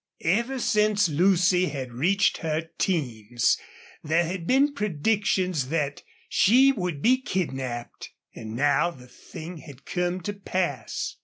Ever since Lucy had reached her teens there had been predictions that she would be kidnapped, and now the thing had come to pass.